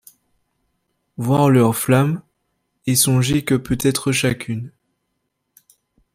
Voir leur flamme, et songer que peut-être chacune